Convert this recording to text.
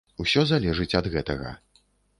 Усё залежыць ад гэтага.